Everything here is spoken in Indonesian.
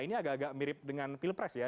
ini agak agak mirip dengan pilpres ya